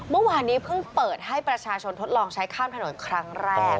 เมื่อวานนี้เพิ่งเปิดให้ประชาชนทดลองใช้ข้ามถนนครั้งแรก